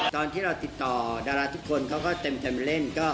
ตอนที่เราติดต่อดาราทุกคนเขาก็เต็มเล่น